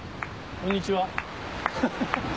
こんにちは。